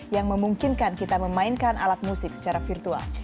yang memungkinkan kita memainkan alat musik secara virtual